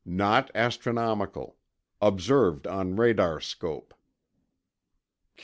not astronomical ... observed on radarscope. ...